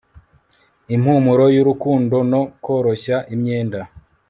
impumuro yurukundo no koroshya imyenda